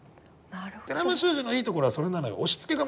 寺山修司のいいところはそれなのよ。